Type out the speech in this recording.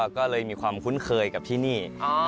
ก็เลยมีความคุ้นเคยกับที่นี่